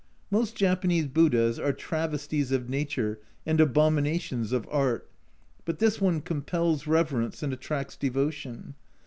Most Japanese Buddhas are travesties of nature and abominations of art but this one compels reverence and attracts devotion.